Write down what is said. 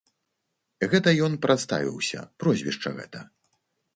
Гэта ён прадставіўся, прозвішча гэта.